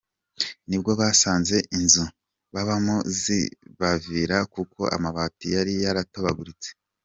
Nibwo basanze inzu babamo zibavira kuko amabati yari yaratobaguritse.